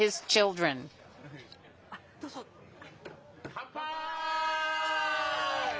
乾杯！